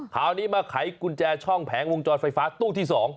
คราวนี้มาไขกุญแจช่องแผงวงจรไฟฟ้าตู้ที่๒